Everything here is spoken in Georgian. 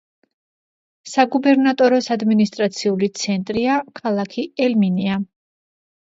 საგუბერნატოროს ადმინისტრაციული ცენტრია ქალაქი ელ-მინია.